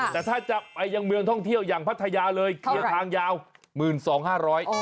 แต่ถ้าจะไปยังเมืองท่องเที่ยวอย่างพัทยาเลยเคลียร์ทางยาว๑๒๐๐บาท